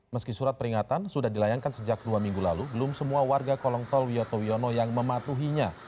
meski surat peringatan sudah dilayangkan sejak dua minggu lalu belum semua warga kolong tol wiyoto wiono yang mematuhinya